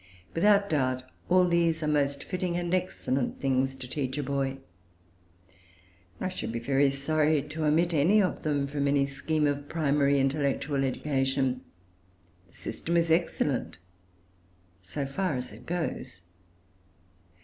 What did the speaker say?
Without doubt all these are most fitting and excellent things to teach a boy; I should be very sorry to omit any of them from any scheme of primary intellectual education. The system is excellent, so far as it goes.